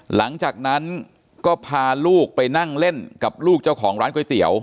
หลังจากนั้นก็พาลูกไปนั่งเล่นกับลูกเจ้าของร้านก๋วยเตี๋ยว